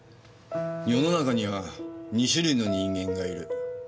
世の中には２種類の人間がいる。